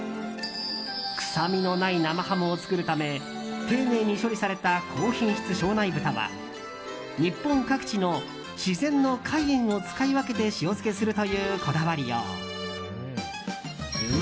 臭みのない生ハムを作るため丁寧に処理された高品質庄内豚は日本各地の自然の海塩を使い分けて塩漬けするというこだわりよう。